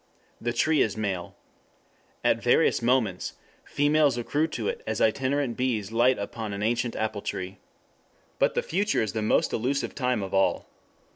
The tree is male. At various moments females accrue to it as itinerant bees light upon an ancient apple tree. 7 But the future is the most illusive time of all.